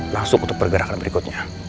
langsung ke pergerakan berikutnya